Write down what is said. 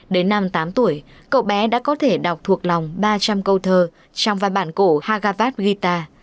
đến năm tám tuổi cậu bé đã có thể đọc thuộc lòng ba trăm linh câu thơ trong vài bản cổ hagavad gita